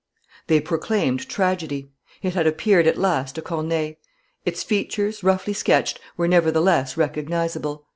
They proclaimed tragedy; it had appeared at last to Corneille; its features, roughly sketched, were nevertheless recognizable.